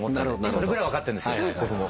それぐらい分かってるんです僕も。